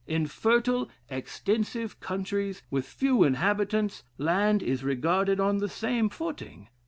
In fertile extensive countries, with few inhabitants, land is regarded on the same footing.